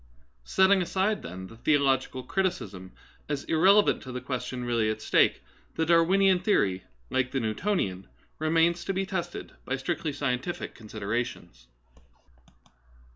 ^ Setting aside, then, the theological criticism as irrelevant to the question really at stake, the Dar winian theory, like the Newtonian, remains to be tested by strictly scientific considerations.